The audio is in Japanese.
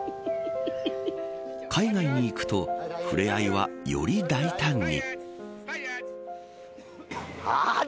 海外に行くと触れ合いはより大胆に。